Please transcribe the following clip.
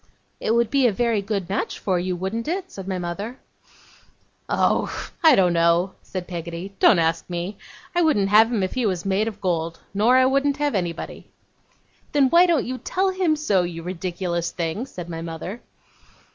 'It would be a very good match for you; wouldn't it?' said my mother. 'Oh! I don't know,' said Peggotty. 'Don't ask me. I wouldn't have him if he was made of gold. Nor I wouldn't have anybody.' 'Then, why don't you tell him so, you ridiculous thing?' said my mother.